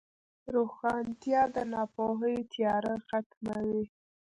روښانتیا د ناپوهۍ تیاره ختموي.